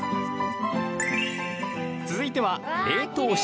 続いては、冷凍室。